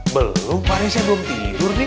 belum pak d saya belum tidur nih